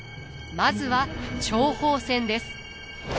まずは諜報戦です。